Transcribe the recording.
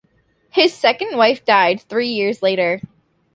His second wife died three years later.